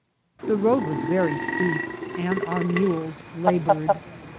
The road was very steep, and our mules laboured.